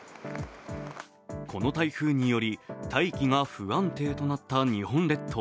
この台風により大気が不安定となった日本列島。